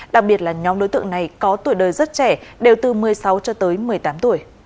đặc biệt là nhóm đối tượng này có tuổi đời rất trẻ đều từ một mươi sáu cho tới một mươi tám tuổi